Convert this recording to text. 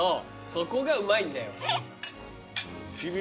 そこがうまいんだよ。